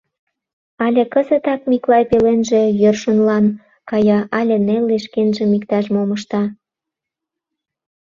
Але кызытак Миклай пеленже йӧршынлан кая, але Нелли шкенжым иктаж-мом ышта.